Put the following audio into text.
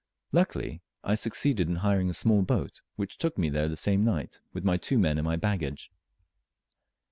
Luckily I succeeded in hiring a small boat, which took me there the same night, with my two men and my baggage.